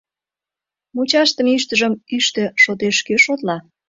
Мучашдыме ӱштыжым ӱштӧ шотеш кӧ шотла?